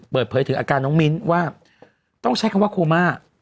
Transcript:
เปิดเผยถึงอาการน้องมิ้นว่าต้องใช้คำว่าโคม่า